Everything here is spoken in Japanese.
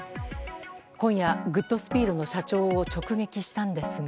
今夜、グッドスピードの社長を直撃したんですが。